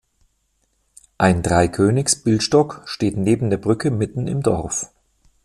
Ein Dreikönigs-Bildstock steht neben der Brücke mitten im Dorf.